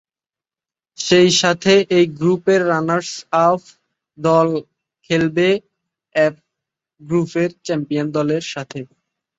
সেই সাথে এই গ্রুপের রানার্স-আপ দল খেলবে এফ গ্রুপের চ্যাম্পিয়ন দলের সাথে।